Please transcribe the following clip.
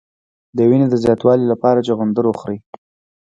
د وینې د زیاتوالي لپاره چغندر وخورئ